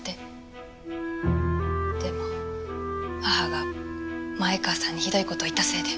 でも母が前川さんにひどい事を言ったせいで。